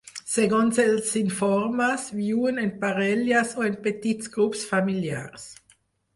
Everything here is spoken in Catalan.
Segons els informes, viuen en parelles o en petits grups familiars.